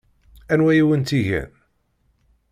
Anwa i wen-tt-igan?